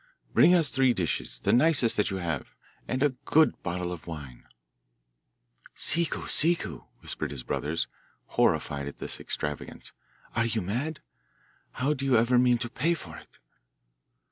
'Bring us three dishes, the nicest that you have, and a good bottle of wine.' 'Ciccu! Ciccu!' whispered his brothers, horrified at this extravagance, 'are you mad? How do you ever mean to pay for it?